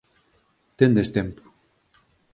Tendes tempo.